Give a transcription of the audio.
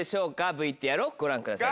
ＶＴＲをご覧ください。